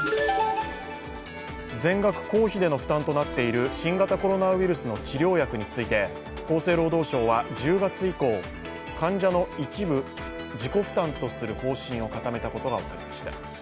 全額公費での負担となっている新型コロナウイルスの治療薬について厚生労働省は１０月以降、患者の一部自己負担とする方針を固めたことが分かりました。